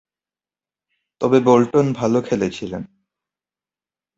তবে, বোল্টন ভালো খেলেছিলেন।